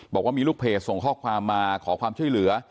บอกว่ามีลูกเพจส่งข้อความมาขอความช่วยเหลือ